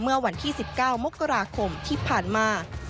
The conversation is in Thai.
เมื่อวันที่๑๙มกราคมที่ผ่านมา